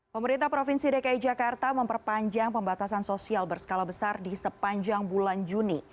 pemerintah provinsi dki jakarta memperpanjang pembatasan sosial berskala besar di sepanjang bulan juni